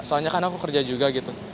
soalnya kan aku kerja juga gitu